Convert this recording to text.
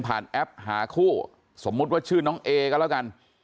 แอปหาคู่สมมุติว่าชื่อน้องเอก็แล้วกัน